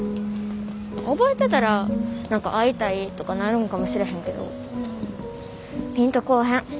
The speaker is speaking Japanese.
覚えてたら何か会いたいとかなるんかもしれへんけどピンとこぉへん。